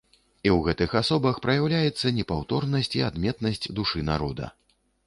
У іх гэтых асобах праяўляецца непаўторнасць і адметнасць душы народа.